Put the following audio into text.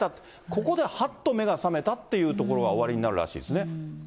ここではっと目が覚めたというところがおありになるらしいですね。